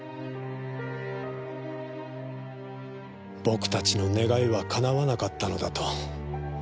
僕たちの願いはかなわなかったのだと。